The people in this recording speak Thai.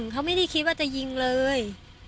เขาไม่ได้คิดว่าจะยิงเลย